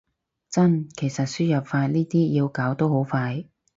真，其實輸入法呢啲要搞都好快